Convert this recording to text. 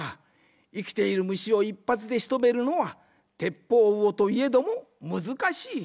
いきているむしをいっぱつでしとめるのはテッポウウオといえどもむずかしい。